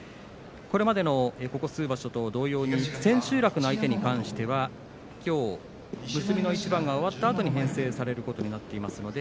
これまでのここ数場所と同様に千秋楽の相手に関してはきょう結びの一番が終わったあとに編成されることになっています。